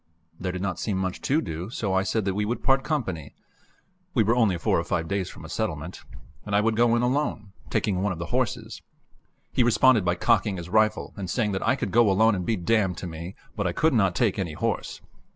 There did not seem much to do, so I said that we would part company we were only four or five days from a settlement and I would go in alone, taking one of the horses. He responded by cocking his rifle and saying that I could go alone and be damned to me, but I could not take any horse.